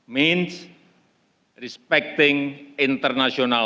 menghormati peraturan internasional